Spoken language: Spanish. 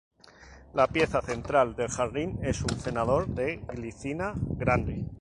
La pieza central del jardín es un cenador de glicina grande.